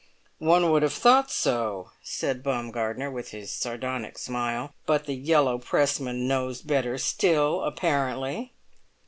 "One would have thought so," said Baumgartner, with his sardonic smile; "but the yellow pressman knows better still, apparently."